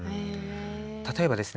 例えばですね